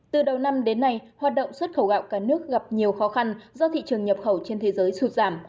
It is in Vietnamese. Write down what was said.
từ đầu năm đến nay hoạt động xuất khẩu gạo cả nước gặp nhiều khó khăn do thị trường nhập khẩu trên thế giới sụt giảm